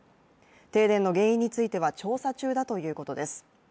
停電の原因については調査中だということです